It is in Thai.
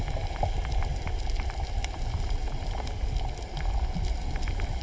โปรดติดตามตอนต่อไป